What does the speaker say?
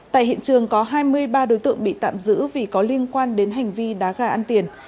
tại hiện trường có hai mươi ba đối tượng bị tạm giữ vì có liên quan đến hành vi đá gà ăn tiền